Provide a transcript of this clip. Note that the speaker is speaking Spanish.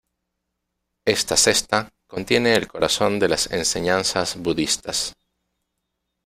Esta Cesta contiene el corazón de las enseñanzas budistas.